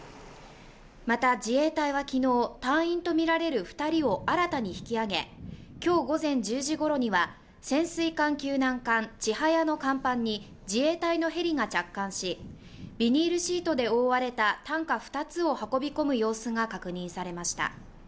また自衛隊はきのう隊員とみられる２人を新たに引き揚げ、今日午前１０時ごろには潜水艦救難艦「ちはや」の甲板に自衛隊のヘリが着艦し、ビニールシートで覆われた担架二つを運び込む様子が確認されました。